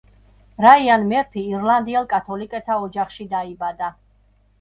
რაიან მერფი ირლანდიელ კათოლიკეთა ოჯახში დაიბადა.